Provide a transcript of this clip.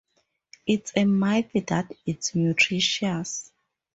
It's a myth that it's nutritious.